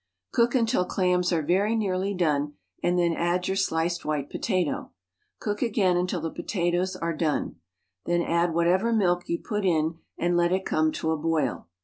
Cook until clams are very nearly done and then add your sliced white potato. Cook again until the potatoes are done. Then add whatever milk you put in and let it come to a boil.